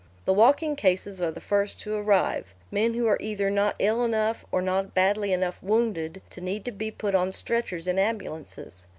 The walking cases are the first to arrive men who are either not ill enough, or not badly enough wounded, to need to be put on stretchers in ambulances.